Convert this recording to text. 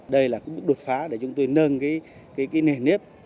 đây là cũng đột phá để chúng tôi nâng cái nền nếp